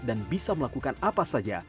dan bisa melakukan apa saja